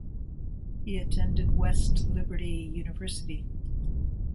He attended West Liberty University.